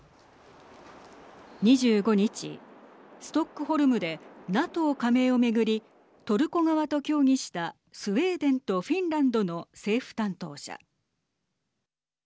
２５日、ストックホルムでＮＡＴＯ加盟を巡りトルコ側と協議したスウェーデンとフィンランドの政府担当者。